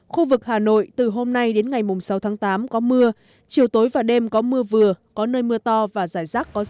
khu vực hà nội từ hôm nay đến ngày sáu tháng tám có mưa chiều tối và đêm có mưa vừa có nơi mưa to và giải rác có rông